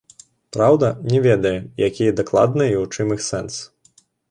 Праўда, не ведае, якія дакладна і ў чым іх сэнс.